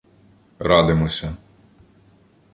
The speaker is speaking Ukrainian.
Радимося.